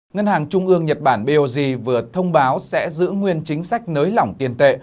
ngân hàng trung ương nhật bản bot vừa thông báo sẽ giữ nguyên chính sách nới lỏng tiền tệ